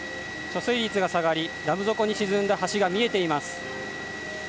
貯水率が下がりダム底に沈んだ橋が見えています。